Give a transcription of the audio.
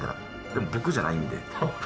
でも僕じゃないんで。